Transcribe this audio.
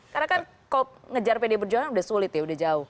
karena kan kok ngejar pede berjuangan udah sulit ya udah jauh